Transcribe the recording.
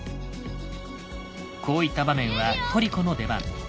こういった場面はトリコの出番。